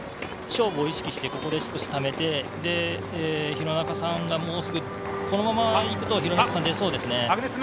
勝負を意識してここでためて、廣中さんがこのままいくと、出そうですね。